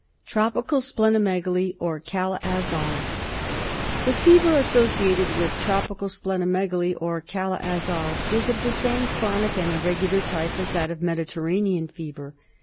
Tropical Spleno megaly or Kala Azar. The fever associated with Tropical Spleno megaly, or Kala Azar, is of the same chronic and irregular type as that of Mediterranean fever.